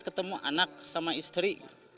ketemu anak sama istri